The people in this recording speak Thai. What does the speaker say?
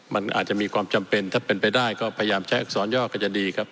มันอาจจะมีความจำเป็นถ้าเป็นไปได้ก็พยายามใช้อักษรย่อก็จะดีครับ